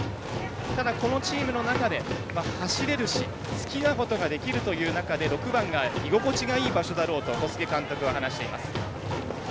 ただ、このチームの中で走れるし好きなことができるという中で６番が居心地がいい場所だろうと小菅監督は話しています。